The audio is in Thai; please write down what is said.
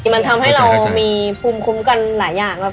มันทำให้เรามีภูมิคุ้มกันหลายอย่างครับ